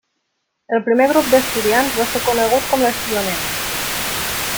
El primer grup d'estudiants va ser conegut com les Pioneres.